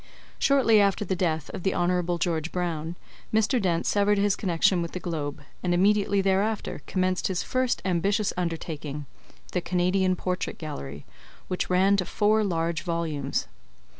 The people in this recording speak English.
Shortly after the death of the Hon. George Brown, Mr. Dent severed his connection with the Globe, and immediately thereafter commenced his first ambitious undertaking, The Canadian Portrait Gallery, which ran to four large volumes.